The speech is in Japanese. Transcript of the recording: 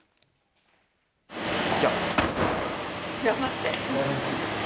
頑張って。